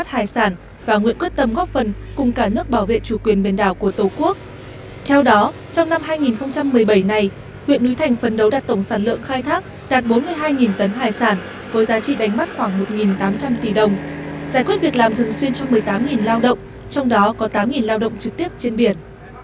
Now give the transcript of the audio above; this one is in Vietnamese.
theo đó trong năm hai nghìn một mươi bảy này huyện núi thành phấn đấu đạt tổng sản lượng khai thác đạt bốn mươi hai tấn hải sản với giá trị đánh mất khoảng một tám trăm linh tỷ đồng giải quyết việc làm thường xuyên cho một mươi tám lao động trong đó có tám lao động trực tiếp trên biển